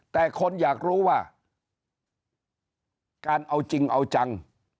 แต่คนอยากรู้ว่าการเอาจริงเอาจัง